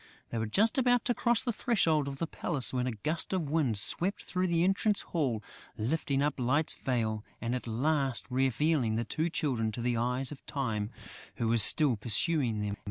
They were just about to cross the threshold of the palace, when a gust of wind swept through the entrance hall, lifting up Light's veil and at last revealing the two Children to the eyes of Time, who was still pursuing them.